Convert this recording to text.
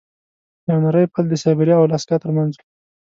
یو نری پل د سایبریا او الاسکا ترمنځ و.